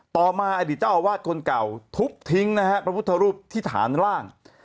ต่อมาอดีตเจ้าอาวาสคนเก่าทุบทิ้งนะฮะพระพุทธรูปที่ฐานร่าง